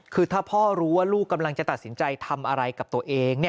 คือถ้าพ่อรู้ว่าลูกกำลังจะตัดสินใจทำอะไรกับตัวเอง